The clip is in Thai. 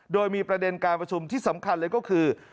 โดยมีประเด็นการประชุมที่สำคัญเลยก็คือ